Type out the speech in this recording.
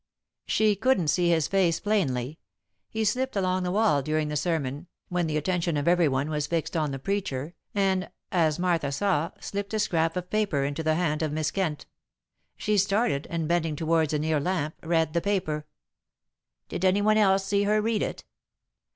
She couldn't see his face plainly. He slipped along the wall during the sermon, when the attention of everyone was fixed on the preacher, and as Martha saw slipped a scrap of paper into the hand of Miss Kent. She started, and bending towards a near lamp, read the paper." "Did anyone else see her read it?"